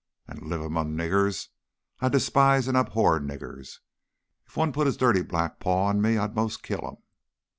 "And live among niggers? I despise and abhor niggers! If one put his dirty black paw on me, I'd 'most kill him!"